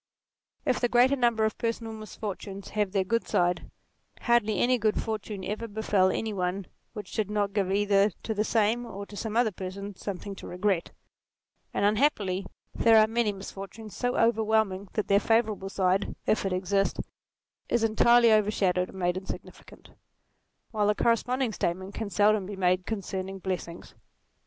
If the greater number of personal misfortunes have their good side, hardly any good fortune ever befel any one which did not give either to the same or to some other person, something to regret : and unhappily there are many misfortunes so NATURE 35 overwhelming that their favourable side, if it exist, is entirely overshadowed and made insignificant ; while the corresponding statement can seldom be made concerning blessings.